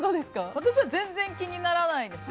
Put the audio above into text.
私は全然、気にならないです。